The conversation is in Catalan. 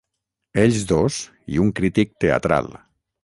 Ells dos i un crític teatral.